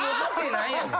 何やねん。